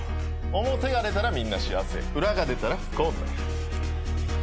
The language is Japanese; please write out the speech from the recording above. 表が出たらみんな幸せ裏が出たら不幸になる。